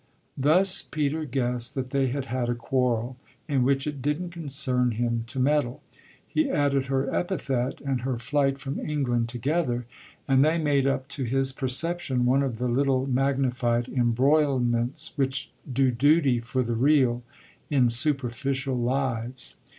Thus Peter guessed that they had had a quarrel in which it didn't concern him to meddle: he added her epithet and her flight from England together, and they made up to his perception one of the little magnified embroilments which do duty for the real in superficial lives.